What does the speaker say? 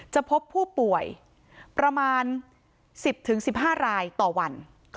พบผู้ป่วยประมาณ๑๐๑๕รายต่อวัน